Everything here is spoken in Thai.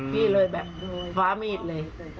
พี่เลยแบบคว้ามีดเลย